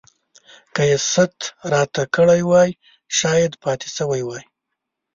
که يې ست راته کړی وای شايد پاته سوی وای.